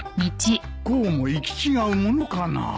こうも行き違うものかな。